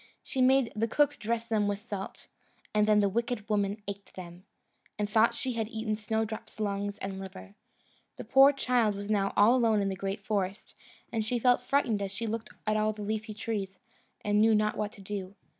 She made the cook dress them with salt, and then the wicked woman ate them, and thought she had eaten Snowdrop's lungs and liver. The poor child was now all alone in the great forest, and she felt frightened as she looked at all the leafy trees, and knew not what to do.